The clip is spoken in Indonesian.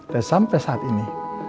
dan sampai saat ini